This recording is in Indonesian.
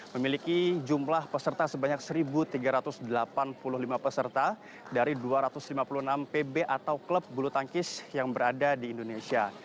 memiliki jumlah peserta sebanyak satu tiga ratus delapan puluh lima peserta dari dua ratus lima puluh enam pb atau klub bulu tangkis yang berada di indonesia